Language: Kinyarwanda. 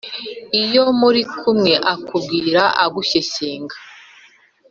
Iyo muri kumwe akubwira agushyeshyenga,